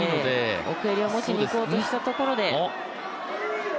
奥襟を持ちにいこうとしたところで。